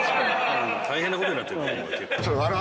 大変なことになってる。